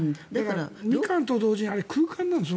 ミカンと同時に空間なんですよね